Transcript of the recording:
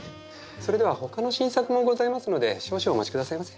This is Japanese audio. それではほかの新作もございますので少々お待ち下さいませ。